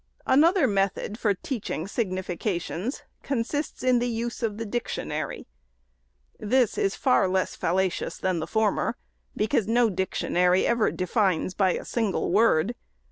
Another method for teaching significations consists in the use of the dictionary. This is far less fallacious than the former, because no dictionary ever defines by a single word.